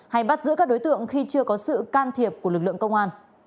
hay bắt giữ các đối tượng khi chưa có sự can thiệp của lực lượng công an